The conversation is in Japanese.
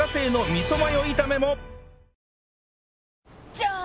じゃーん！